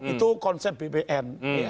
itu konsep bpn